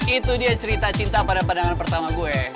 itu dia cerita cinta pada pandangan pertama gue